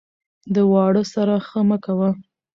ـ د واړه سره ښه مه کوه ،